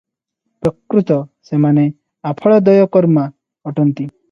ପ୍ରକୃତ ସେମାନେ 'ଆଫଳୋଦୟକର୍ମା' ଅଟନ୍ତି ।